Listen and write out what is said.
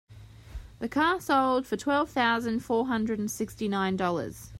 The car sold for twelve thousand four hundred and sixty nine Dollars.